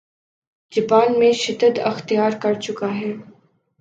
Japan میں شدت اختیار کرچکا ہے